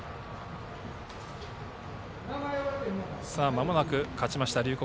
まもなく勝ちました龍谷